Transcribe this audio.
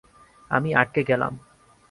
আমি আটকে গেলাম।